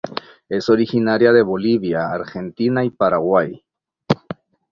Es originaria de Bolivia, Argentina y Paraguay.